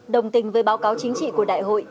đồng tình với báo cáo chính trị của đại hội